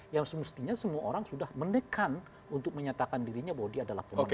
ya semestinya semua orang sudah mendekat untuk menyatakan dirinya bahwa dia menang